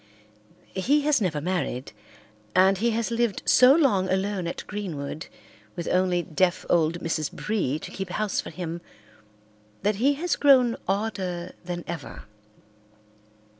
He has never married, and he has lived so long alone at Greenwood with only deaf old Mrs. Bree to keep house for him that he has grown odder than ever.